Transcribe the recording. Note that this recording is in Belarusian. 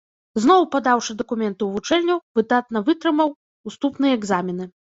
Зноў падаўшы дакументы ў вучэльню, выдатна вытрымаў уступныя экзамены.